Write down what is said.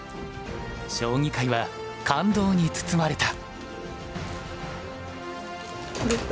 将棋界は感動に包まれた。